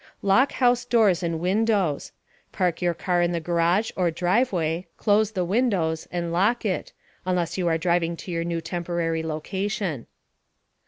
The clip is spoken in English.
Lock house doors and windows. Park your car in the garage or driveway, close the windows, and lock it (unless you are driving to your new temporary location).